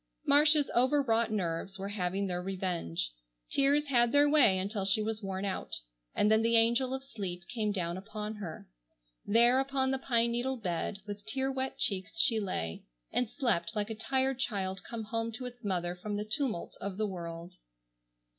Marcia's overwrought nerves were having their revenge. Tears had their way until she was worn out, and then the angel of sleep came down upon her. There upon the pine needle bed, with tear wet cheeks she lay, and slept like a tired child come home to its mother from the tumult of the world.